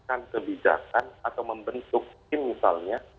dan kebijakan atau membentuk tim misalnya